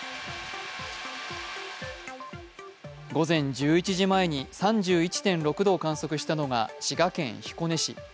午前１１時前に３１．６度を観測したのが滋賀県彦根市。